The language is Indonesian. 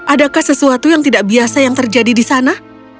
adakah sesuatu yang tidak biasa yang terjadi di sana